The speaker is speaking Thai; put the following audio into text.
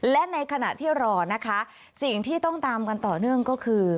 และในขณะที่รอนะคะสิ่งที่ต้องตามกันต่อเนื่องก็คือ